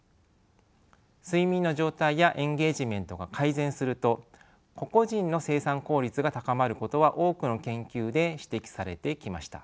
睡眠の状態やエンゲージメントが改善すると個々人の生産効率が高まることは多くの研究で指摘されてきました。